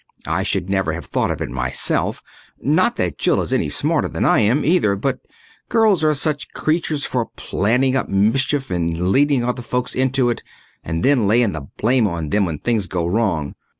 I should never have thought of it myself not that Jill is any smarter than I am, either, but girls are such creatures for planning up mischief and leading other folks into it and then laying the blame on them when things go wrong.